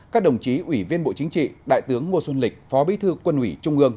các đồng chí ủy viên bộ chính trị đại tướng ngô xuân lịch phó bí thư quân ủy trung ương